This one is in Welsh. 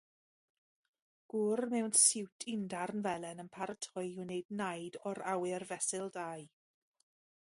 Gŵr mewn siwt undarn felen yn paratoi i wneud naid o'r awyr fesul dau